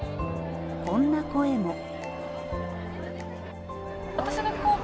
こんな声も。